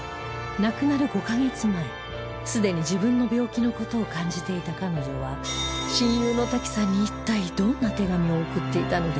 亡くなる５カ月前すでに自分の病気の事を感じていた彼女は親友のタキさんに一体どんな手紙を送っていたのでしょう？